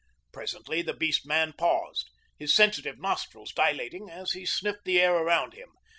Presently the man beast paused, his sensitive nostrils dilating as he sniffed the air about him.